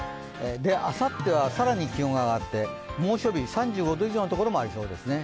あさっては更に気温が上がって猛暑日、３５度以上のところもありそうですね。